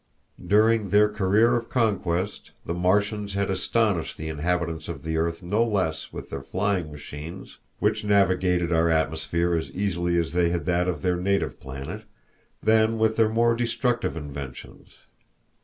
During their career of conquest the Martians had astonished the inhabitants of the earth no less with their flying machines which navigated our atmosphere as easily as they had that of their native planet than with their more destructive inventions.